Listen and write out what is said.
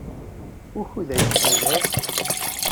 Wukud ay tettɣimiḍ?